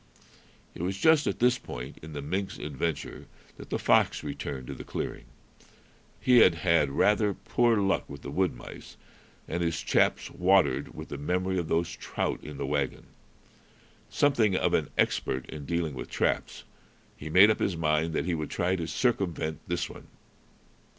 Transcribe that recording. It was just at this point in the mink's adventure that the fox returned to the clearing. He had had rather poor luck with the wood mice, and his chaps watered with the memory of those trout in the wagon. Something of an expert in dealing with traps, he made up his mind that he would try to circumvent this one.